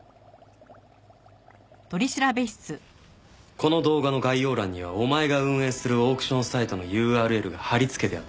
この動画の概要欄にはお前が運営するオークションサイトのＵＲＬが貼り付けてあった。